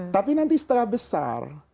tapi nanti setelah besar